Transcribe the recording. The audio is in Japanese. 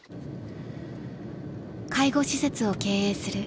［介護施設を経営する］